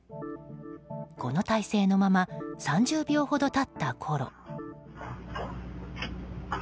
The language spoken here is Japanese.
この体勢のまま３０秒ほど経ったころ。